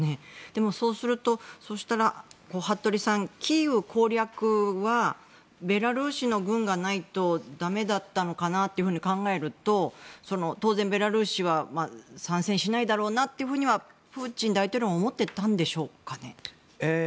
でもそうすると服部さん、キーウ攻略はベラルーシの軍がないとだめだったのかなというふうに考えると、当然ベラルーシは参戦しないだろうなとプーチン大統領も思っていたんでしょうかね。